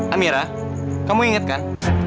amira kamu ingat kan